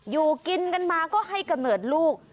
อยู่กินกันมาก็ให้กำเนิดลูก